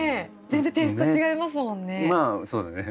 全然テースト違いますもんね。